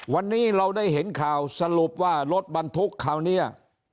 วันนี้เราได้เห็นข่าวสรุปว่ารถบรรทุกคราวนี้